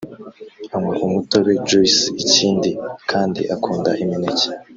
anywa umutobe (Juice) ikindi kandi akunda imineke